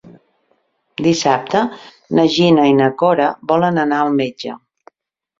Dissabte na Gina i na Cora volen anar al metge.